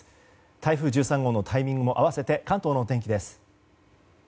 台風１３号のタイミングも併せて関東のお天気です。